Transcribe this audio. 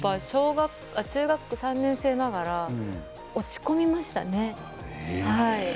中学３年生ながら落ち込みましたね。